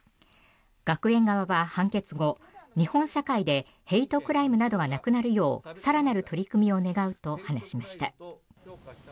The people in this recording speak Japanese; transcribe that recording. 学園側は判決後日本社会でヘイトクライムなどがなくなるよう更なる取り組みを願うと話しました。